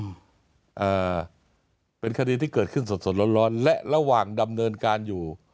อ่าเป็นคดีที่เกิดขึ้นสดสดร้อนร้อนและระหว่างดำเนินการอยู่